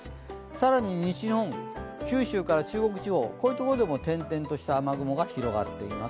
更に西日本、九州から中国地方でも点々とした雨雲が広がっています。